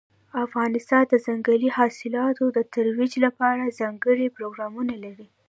افغانستان د ځنګلي حاصلاتو د ترویج لپاره ځانګړي پروګرامونه لري.